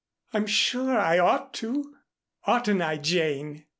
I'm sure I ought to oughtn't I, Jane?"